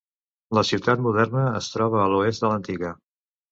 La ciutat moderna es troba a l'oest de l'antiga.